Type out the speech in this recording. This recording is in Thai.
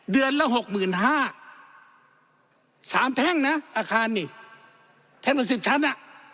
เดือนละหกหมื่นห้าสามแท่งนะอาคารนี่แท่งกว่าสิบชั้นอ่ะ